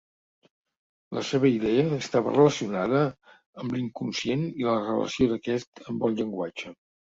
La seva idea estava relacionada amb l’inconscient i la relació d’aquest amb el llenguatge.